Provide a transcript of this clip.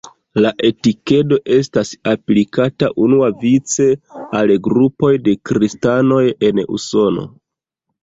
La etikedo estas aplikata unuavice al grupoj de kristanoj en Usono.